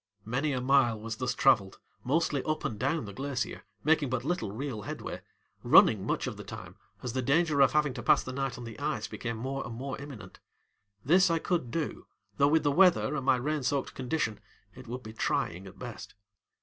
Many a mile was thus traveled, mostly up and down the glacier, making but little real headway, running much of the time as the danger of having to pass the night on the ice became more and more imminent. This I could do, though with the weather and my rain soaked condition it would be trying at best.